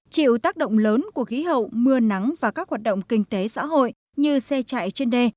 chịu tác động lớn của khí hậu mưa nắng và các hoạt động kinh tế xã hội như xe chạy trên đê